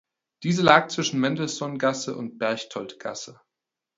Diese lag zwischen Mendelsohngasse und Berchtoldgasse.